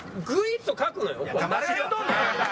誰が言うとんねん！